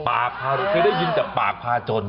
ปากพารวยคือได้ยินจากปากพาจน